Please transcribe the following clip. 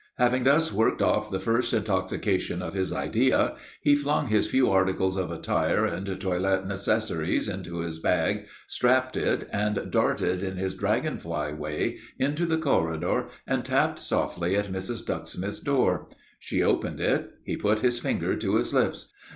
Having thus worked off the first intoxication of his idea, he flung his few articles of attire and toilet necessaries into his bag, strapped it, and darted, in his dragon fly way, into the corridor and tapped softly at Mrs. Ducksmith's door. She opened it. He put his finger to his lips.